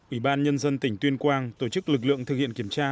ủy ban nhân dân tỉnh tuyên quang tổ chức lực lượng thực hiện kiểm tra